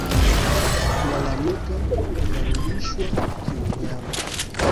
Kulalamikia kudhalilishwa kiunyama